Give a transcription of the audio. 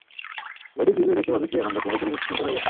বৈদিক যুগেও দেখতে পাবি ক্রিয়াকাণ্ড ক্রমেই পরিবর্তিত হয়ে গেছে।